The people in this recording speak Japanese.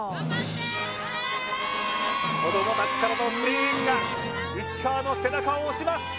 子供達からの声援が内川の背中を押します